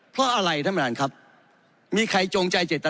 เพราะอะไรท่านประธานครับมีใครจงใจเจตนา